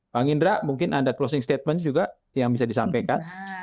bang indra mungkin ada closing statement juga yang bisa disampaikan